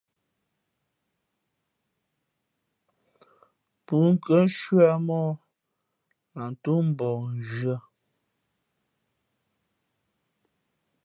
Pʉ̂nkhʉ̄ᾱ cwíáh móh lǎh toō mbαᾱ zhʉ̄ᾱ.